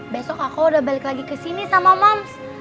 besok aku udah balik lagi ke sini sama moms